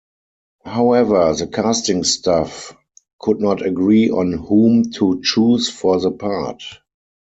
However, the casting staff could not agree on whom to choose for the part.